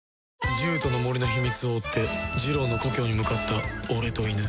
獣人の森の秘密を追ってジロウの故郷に向かった俺とイヌ